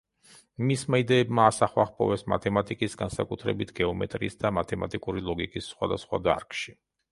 მისმა იდეებმა ასახვა ჰპოვეს მათემატიკის, განსაკუთრებით გეომეტრიის და მათემატიკური ლოგიკის სხვადასხვა დარგში.